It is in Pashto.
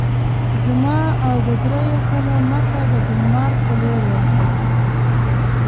زما او د دریو تنو مخه د ډنمارک په لور وه.